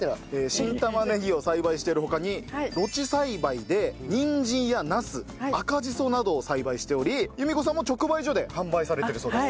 新玉ねぎを栽培してる他に露地栽培でにんじんやナス赤じそなどを栽培しており由美子さんも直売所で販売されてるそうです。